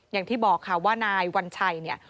อย่างที่บอกค่ะว่านายวัญชัยเนี่ย